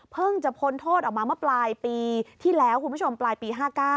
จะพ้นโทษออกมาเมื่อปลายปีที่แล้วคุณผู้ชมปลายปี๕๙